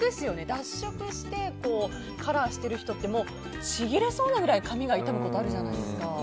脱色して、カラーしてる人ってもう、ちぎれそうなぐらい髪が傷むことあるじゃないですか。